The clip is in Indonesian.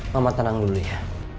mama tenang dulu ya